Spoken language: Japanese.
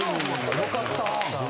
よかった！